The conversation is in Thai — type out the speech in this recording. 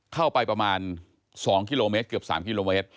เข้าไปประมาณ๒กิโลเมตรเกือบ๓กิโลเมตร